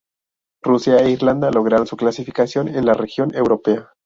Rusia e Irlanda lograron su clasificación en la región europea.